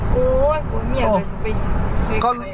กูว่าหัวเมีย